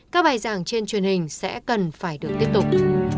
các bài giảng trên truyền hình sẽ cần phải được tiếp tục